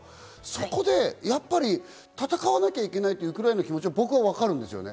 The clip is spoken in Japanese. そこでやっぱり戦わなきゃいけないという、ウクライナの気持ちはわかるんです。